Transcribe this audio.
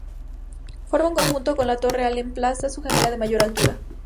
Forma un conjunto con la torre Alem Plaza, su gemela de mayor altura.